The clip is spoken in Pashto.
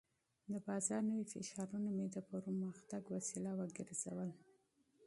د بازار نوي فشارونه مې د پرمختګ وسیله وګرځول.